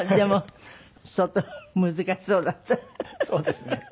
そうですね。